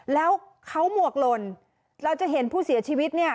แล้วเขาหมวกลนเราจะเห็นผู้เสียชีวิตเนี่ย